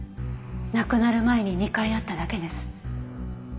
亡くなる前に２回会っただけです。